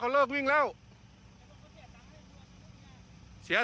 เขาเลิกวิงแล้ว